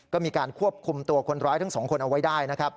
ก็มีการควบคุมตัวคนร้ายทั้งสองคนเอาไว้ได้นะครับ